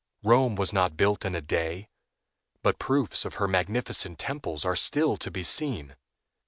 Rome was not built in a day; but proofs of her magnificent temples are still to be seen.